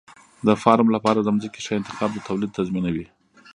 د فارم لپاره د ځمکې ښه انتخاب د تولید تضمینوي.